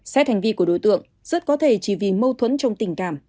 xét hành vi của đối tượng rất có thể chỉ vì mâu thuẫn trong tình cảm